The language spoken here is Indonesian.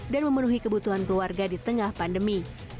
dan memenuhi kebutuhan keluarga di tengah pandemi